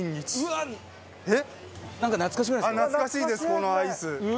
あっ懐かしいですこのアイス。